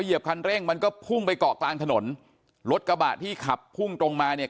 เหยีบคันเร่งมันก็พุ่งไปเกาะกลางถนนรถกระบะที่ขับพุ่งตรงมาเนี่ย